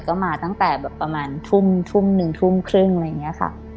ก็มาตั้งแต่แบบประมาณทุ่มหนึ่งทุ่มครึ่งอะไรอย่างนี้ค่ะ